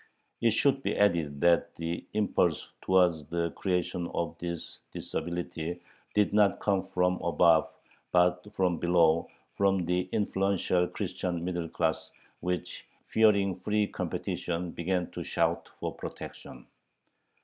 It should be added that the impulse towards the creation of this disability did not come from above but from below, from the influential Christian middle class, which, fearing free competition, began to shout for protection.